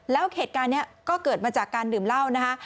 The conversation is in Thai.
แล้วเหตุการณ์นี้ก็เกิดมาจากการดื่มเหล้านะคะ